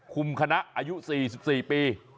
คุมคณะอายุ๔๔ปี